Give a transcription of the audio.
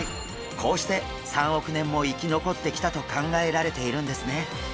こうして３億年も生き残ってきたと考えられているんですね。